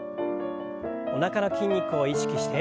おなかの筋肉を意識して。